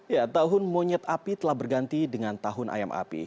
ya tahun monyet api telah berganti dengan tahun ayam api